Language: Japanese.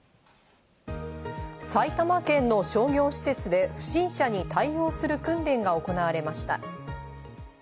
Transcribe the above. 埼玉県の商業施設で不審者に対応する訓練が行われました。